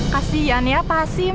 kasian ya pak hasim